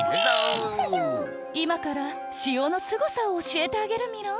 いまから塩のすごさをおしえてあげるミロ。